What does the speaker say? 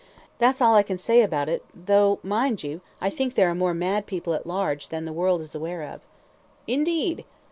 "That's all I can say about it, though, mind you, I think there are more mad people at large than the world is aware of." "Indeed!"